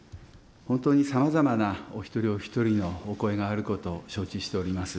本当にさまざまなお一人お一人のお声があることを承知しております。